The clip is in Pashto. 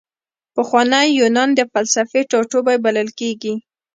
پخوانی یونان د فلسفې ټاټوبی بلل کیږي.